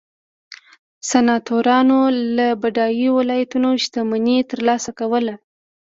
سناتورانو له بډایو ولایتونو شتمني ترلاسه کوله